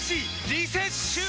リセッシュー！